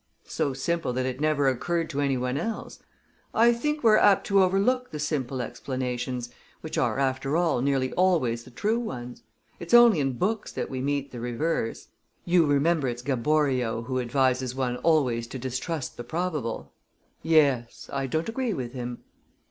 "So simple that it never occurred to anyone else. I think we're too apt to overlook the simple explanations, which are, after all, nearly always the true ones. It's only in books that we meet the reverse. You remember it's Gaboriau who advises one always to distrust the probable?" "Yes. I don't agree with him."